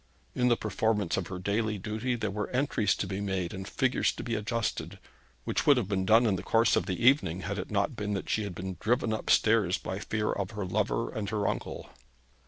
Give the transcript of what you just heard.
In the performance of her daily duty there were entries to be made and figures to be adjusted, which would have been done in the course of the evening, had it not been that she had been driven upstairs by fear of her lover and her uncle.